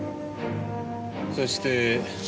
そして。